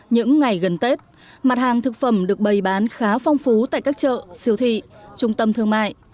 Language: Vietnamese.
những ngày gần tết mặt hàng thực phẩm được bày bán khá phong phú tại các chợ siêu thị trung tâm thương mại